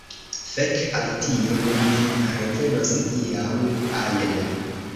Fek al tio, mi ne revenos iam ajn!